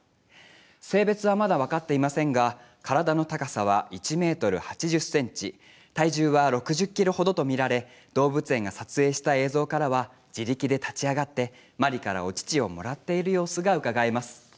性別はまだ分かっていませんが、身体の高さは１メートル８０センチ、体重は６０キロほどとみられ、動物園が撮影した映像からは自力で立ち上がって、マリからお乳をもらっている様子が、うかがえます。